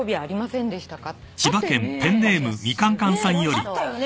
あったよね。